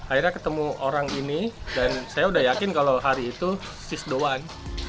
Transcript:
akhirnya ketemu orang ini dan saya udah yakin kalau hari itu sis doan